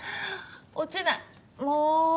落ちないもう！